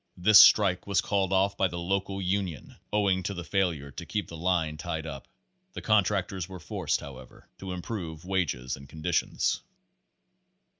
This strike was called off by the local union owing to the failure to keep the line tied up. The contractors were forced, however, to improve wages and conditions.